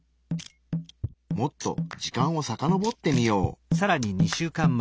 もっと時間をさかのぼってみよう。